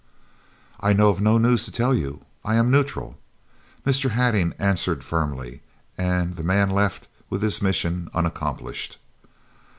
"I know of no news to tell you. I am neutral," Mr. Hattingh answered firmly, and the man left him with his mission unaccomplished.